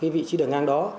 vị trí đường ngang đó